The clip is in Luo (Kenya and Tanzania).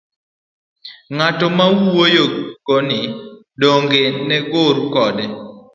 Ng'at ma uwuoyo go ni, dong'e ne ugoru kode?